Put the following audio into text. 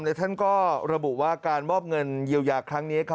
และท่านก็ระบุว่าการมอบเงินเยียวยาครั้งนี้